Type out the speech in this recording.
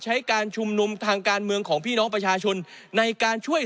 ใช้การชุมนุมทางการเมืองของพี่น้องประชาชนในการช่วย